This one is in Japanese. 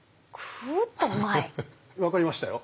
分かりましたよ！